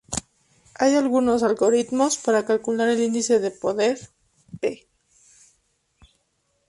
Hay algunos algoritmos para calcular el índice de poder, p.